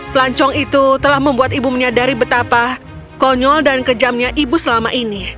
pelancong itu telah membuat ibu menyadari betapa konyol dan kejamnya ibu selama ini